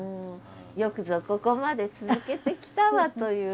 よくぞここまで続けてきたわという。